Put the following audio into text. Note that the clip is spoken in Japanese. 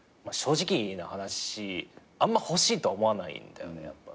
まあ正直な話あんま欲しいとは思わないんだよね。